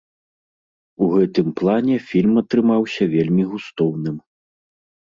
У гэтым плане фільм атрымаўся вельмі густоўным.